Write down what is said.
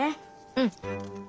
うん。